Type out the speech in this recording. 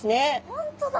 本当だ。